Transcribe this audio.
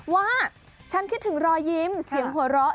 ว่าฉันคิดถึงรอยยิ้มเสียงหัวเราะ